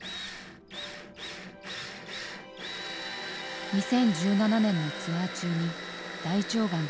２０１７年のツアー中に大腸がんが判明。